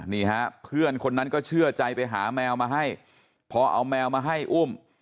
นี่ฮะเพื่อนคนนั้นก็เชื่อใจไปหาแมวมาให้พอเอาแมวมาให้อุ้ม